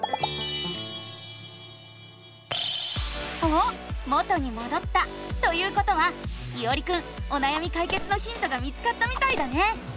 おっ元にもどったということはいおりくんおなやみかいけつのヒントが見つかったみたいだね！